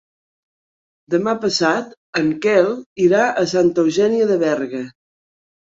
Demà passat en Quel irà a Santa Eugènia de Berga.